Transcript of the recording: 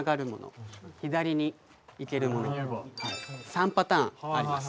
３パターンあります。